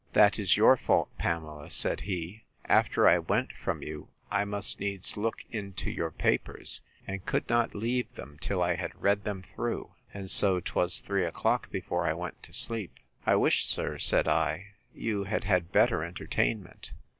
That is your fault, Pamela, said he. After I went from you, I must needs look into your papers, and could not leave them till I had read them through; and so 'twas three o'clock before I went to sleep. I wish, sir, said I, you had had better entertainment.